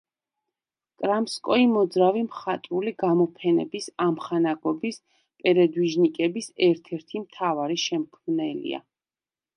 კრამსკოი მოძრავი მხატვრული გამოფენების ამხანაგობის „პერედვიჟნიკების“ ერთ-ერთი მთავარი შემქმნელია.